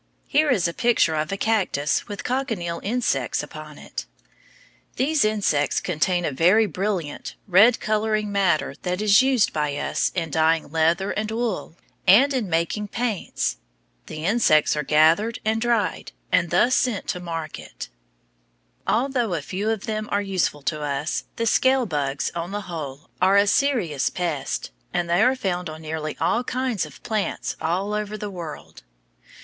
Here is the picture of a cactus with cochineal insects upon it. These insects contain a very brilliant, red coloring matter that is used by us in dyeing leather and wool, and in making paints. The insects are gathered and dried, and thus sent to market. Although a few of them are useful to us, the scale bugs, on the whole, are a serious pest; and they are found on nearly all kinds of plants all over the world.